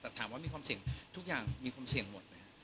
แต่ถามว่ามีความเสี่ยงทุกอย่างมีความเสี่ยงหมดไหมครับ